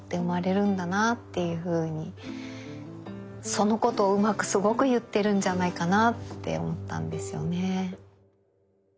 そのことをうまくすごく言ってるんじゃないかなって思ったんですよね。